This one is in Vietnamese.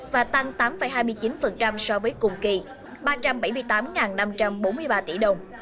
và tăng tám hai mươi chín so với cùng kỳ ba trăm bảy mươi tám năm trăm bốn mươi ba tỷ đồng